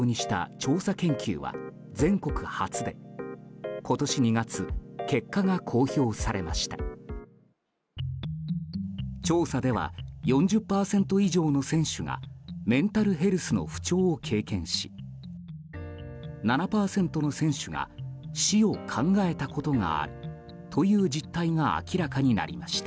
調査では４０％以上の選手がメンタルヘルスの不調を経験し７％の選手が死を考えたことがあるという実態が明らかになりました。